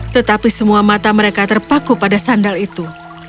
tetapi semua mata mereka terpaku pada sandal itu